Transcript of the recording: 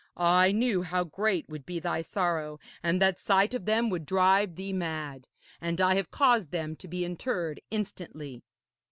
'I knew how great would be thy sorrow, and that sight of them would drive thee mad. And I have caused them to be interred instantly.'